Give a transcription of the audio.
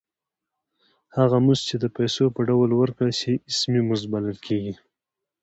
هغه مزد چې د پیسو په ډول ورکړل شي اسمي مزد بلل کېږي